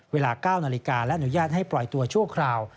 เวลา๙นาฬิกาและอนุญาตให้ปล่อยตัวชั่วคราว